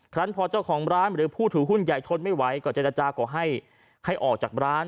นั้นพอเจ้าของร้านหรือผู้ถือหุ้นใหญ่ทนไม่ไหวก็เจรจาก่อให้ออกจากร้าน